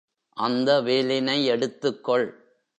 அந்த வேலினை எடுத்துக்கொள்.